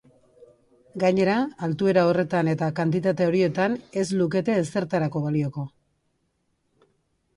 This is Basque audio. Gainera, altuera horretan eta kantitate horietan ez lukete ezertarako balioko.